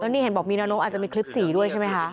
นี่เห็นบอกมีนกอาจจะมีคลิป๔ด้วยใช่ไหมคะ